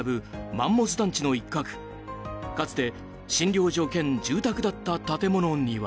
マンモス団地の一角、かつて診療所兼住宅だった建物には。